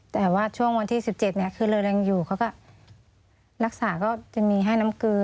แต่ว่าช่วงวันที่๑๗เนี่ยคือเรายังอยู่เขาก็รักษาก็จะมีให้น้ำเกลือ